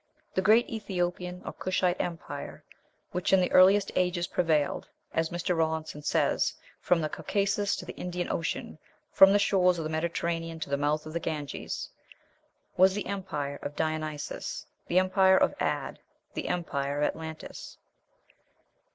The great Ethiopian or Cushite Empire, which in the earliest ages prevailed, as Mr. Rawlinson says, "from the Caucasus to the Indian Ocean, from the shores of the Mediterranean to the mouth of the Ganges," was the empire of Dionysos, the empire of "Ad," the empire of Atlantis.